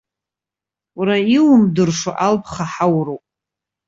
Уара иумдырша алԥха ҳауроуп!